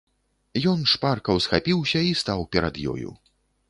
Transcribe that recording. Ён шпарка ўсхапіўся і стаў перад ёю.